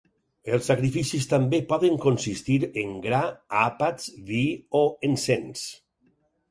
Els sacrificis també poden consistir en gra, àpats, vi o encens.